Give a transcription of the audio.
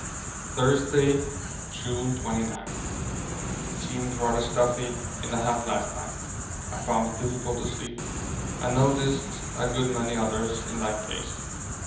Thursday, June 29. It seemed rather stuffy in the hut last night I found it difficult to sleep, and noticed a good many others in like case.